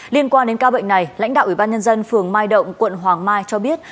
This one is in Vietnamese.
liên quan đến ca bệnh này lãnh đạo ủy ban nhân dân phường mai động quận hoàng mai cho biết